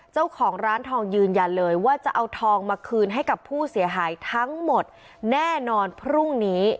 เจ้าของร้านทองยืนยันเลยว่าจะเอาทองมาคืนให้กับผู้เสียหายทั้งหมดแน่นอนพรุ่งนี้